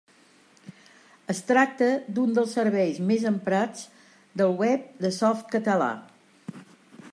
Es tracta d'un dels serveis més emprats del web de Softcatalà.